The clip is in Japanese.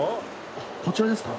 こちらですか？